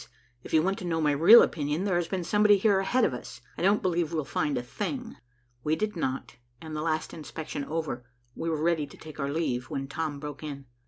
If you want to know my real opinion, there has been somebody here ahead of us. I don't believe we'll find a thing." We did not, and the last inspection over, we were ready to take our leave, when Tom broke in.